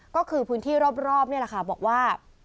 ก็คือพื้นที่รอบนี่แหละค่ะบอกว่า